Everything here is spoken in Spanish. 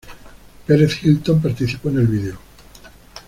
Perez Hilton participó en el vídeo.